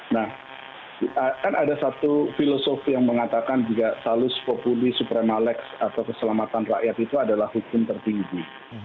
nah kan ada satu filosofi yang mengatakan juga salus populi supremalex atau keselamatan rakyat itu adalah hukum tertinggi